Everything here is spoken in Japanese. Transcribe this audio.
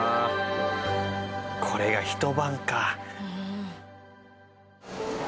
これがひと晩か。